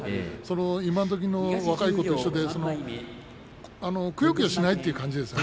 今どきの若い子と一緒でくよくよしないという感じですね。